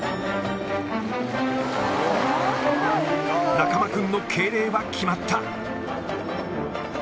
中間君の敬礼は決まった。